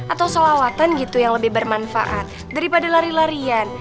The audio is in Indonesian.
atau sholawatan gitu yang lebih bermanfaat daripada lari larian